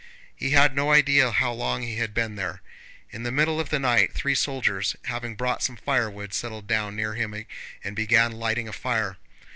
He had no idea how long he had been there. In the middle of the night three soldiers, having brought some firewood, settled down near him and began lighting a fire.